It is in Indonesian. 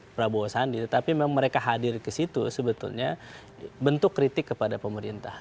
prabowo sandi tetapi memang mereka hadir ke situ sebetulnya bentuk kritik kepada pemerintah